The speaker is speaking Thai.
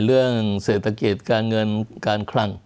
เรื่องเศรษฐกิจการเงินการคลัง